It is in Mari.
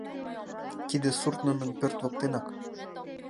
Тиде сурт нунын пӧрт воктенак.